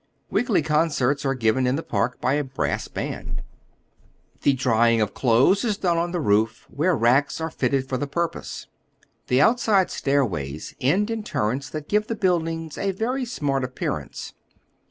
Weekly concerts are given in the park by a brass band. The drying of clothes is done on the roof, where racks are fitted up for the purpose. The outside stairways end ia tnrrets that give the buildings a very smart appearance.